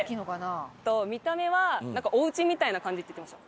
見た目はお家みたいな感じって言ってました。